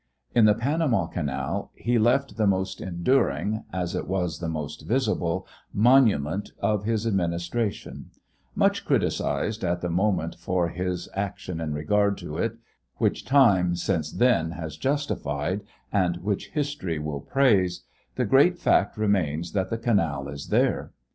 In the Panama Canal he left the most enduring, as it was the most visible, monument of his administration Much criticized at the moment for his action in regard to it, which time since then has justified and which history will praise, the great fact remains that the canal is there.